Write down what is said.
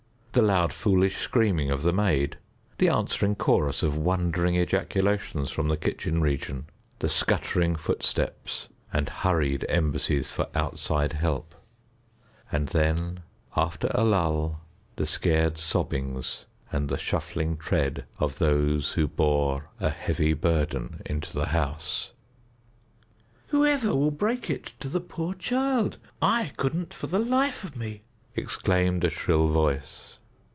The loud foolish screaming of the maid, the answering chorus of wondering ejaculations from the kitchen region, the scuttering footsteps and hurried embassies for outside help, and then, after a lull, the scared sobbings and the shuffling tread of those who bore a heavy burden into the house. "Whoever will break it to the poor child? I couldn't for the life of me!" exclaimed a shrill voice.